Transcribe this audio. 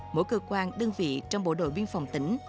mỗi cơ quan đơn vị trong bộ đội biên phòng tỉnh